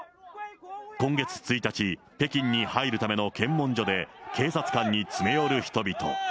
今月１日、北京に入るための検問所で、警察官に詰め寄る人々。